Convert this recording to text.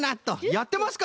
やってますか？